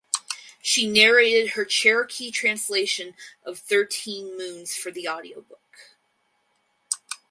She narrated her Cherokee translation of "Thirteen Moons" for the audio book.